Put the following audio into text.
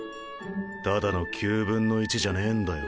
ただの９分の１じゃねえんだよ